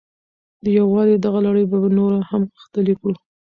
د یووالي دغه لړۍ به نوره هم غښتلې کړو.